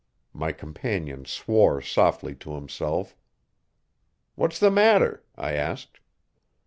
My companion swore softly to himself. "What's the matter?" I asked.